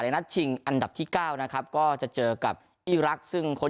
นัดชิงอันดับที่เก้านะครับก็จะเจอกับอีรักษ์ซึ่งคน